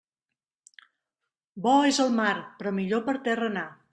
Bo és el mar, però millor per terra anar.